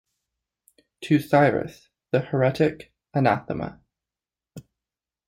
To Cyrus, the heretic, anathema!